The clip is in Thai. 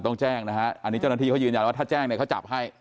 ต้องแจ้งนะฮะอันนี้เจ้าหน้าที่เขายืนยันว่าถ้าแจ้งเนี่ยเขาจับให้